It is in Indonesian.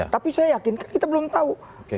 tapi saya yakin kan kita belum tahu